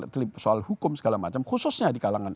terlibat soal hukum segala macam khususnya di kalangan